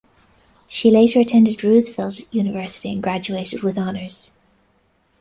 She later attended Roosevelt University and graduated with honors.